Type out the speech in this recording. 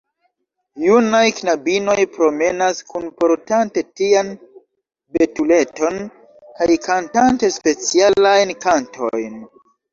Junaj knabinoj promenas, kunportante tian betuleton kaj kantante specialajn kantojn.